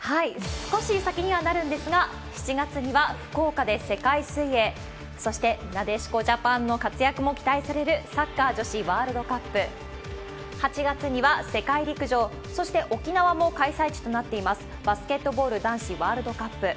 少し先にはなるんですが、７月には福岡で世界水泳、そして、なでしこジャパンの活躍も期待されるサッカー女子ワールドカップ、８月には世界陸上、そして沖縄も開催地となっています、バスケットボール男子ワールドカップ。